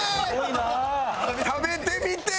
食べてみてえ！